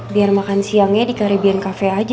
biar makan siangnya di karibian cafe aja